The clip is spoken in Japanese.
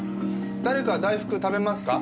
誰か大福食べますか？